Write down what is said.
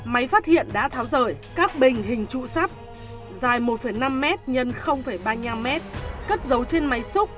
máy phát hiện đã tháo rời các bình hình trụ sắt dài một năm m x ba mươi năm m cất dấu trên máy xúc